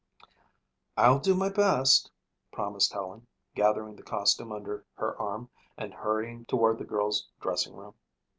"I'll do my best," promised Helen, gathering the costume under her arm and hurrying toward the girls' dressing room.